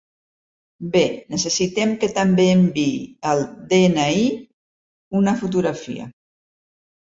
Bé, necessitem que també enviï el de-ena-i, una fotografia.